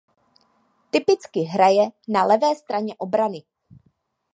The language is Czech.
Typicky hraje na levé straně obrany.